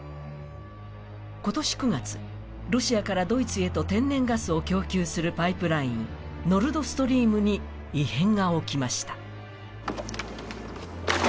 今年９月、ロシアからドイツへと天然ガスを供給するパイプライン、ノルドストリームに異変が起きました。